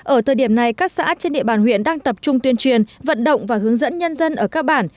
ở thời điểm này các xã trên địa bàn huyện đang tập trung tuyên truyền vận động và hướng dẫn nhân dân ở các bản